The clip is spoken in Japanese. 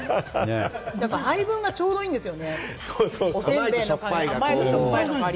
配分がちょうどいいんですよね。